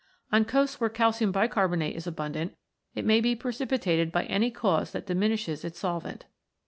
On coasts where calcium bicarbonate is abundant, it may be precipitated by any cause that diminishes its solvent.